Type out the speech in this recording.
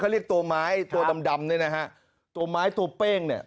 เรียกตัวไม้ตัวดำดำเนี่ยนะฮะตัวไม้ตัวเป้งเนี่ย